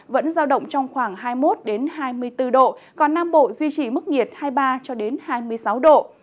vẫn giao động trong khoảng hai mươi một hai mươi bốn độ còn nam bộ duy trì mức nhiệt hai mươi ba hai mươi sáu độ